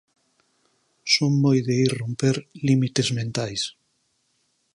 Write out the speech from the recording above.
Son moi de ir romper límites mentais.